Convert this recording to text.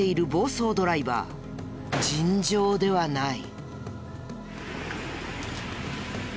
尋常ではない。